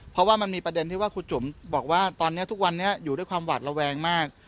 เพราะว่ามันมีประเด็นที่ว่าครูจุ๋มบอกว่าตอนนี้ทุกวันนี้อยู่ด้วยความหวาดระแวงมาก